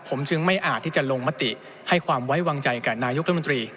ผมจึงไม่อาจที่จะลงมติให้ความไว้วางใจกับนายกรัฐมนตรี